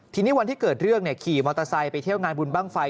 ทีนี้วันที่เกิดเรื่องขี่มอเตอร์ไซค์ไปเที่ยวงานบุญบ้างไฟ